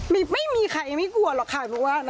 ไม่มีใครไม่กลัวหรอกค่ะ